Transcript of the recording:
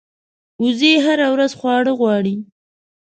وزې هره ورځ خواړه غواړي